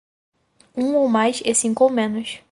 Um ou mais e cinco ou menos